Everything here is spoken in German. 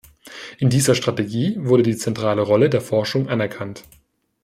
In dieser Strategie wurde die zentrale Rolle der Forschung anerkannt.